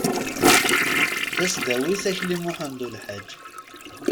tasdawit akli muḥend ulḥaǧ